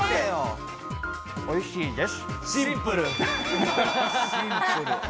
おいしいです。